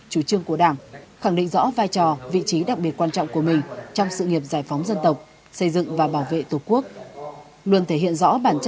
chủ trương của đảng khẳng định rõ vai trò vị trí đặc biệt quan trọng của mình trong sự nghiệp giải phóng dân tộc xây dựng và bảo vệ tổ quốc